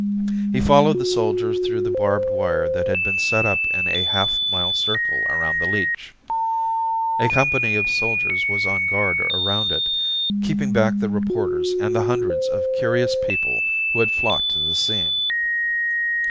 He followed the soldier through the barbed wire that had been set up in a half mile circle around the leech. A company of soldiers was on guard around it, keeping back the reporters and the hundreds of curious people who had flocked to the scene.